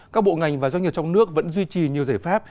các bộ ngành và doanh nghiệp trong nước vẫn duy trì nhiều giải pháp